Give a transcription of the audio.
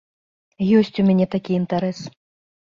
Ёсць у мяне такі інтарэс.